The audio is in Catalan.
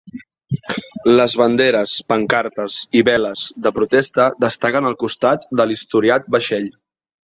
Les banderes, pancartes i veles de protesta destaquen al costat de l'historiat vaixell.